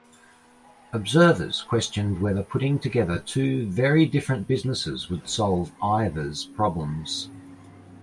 Observers questioned whether putting together two very different businesses would solve either's problems.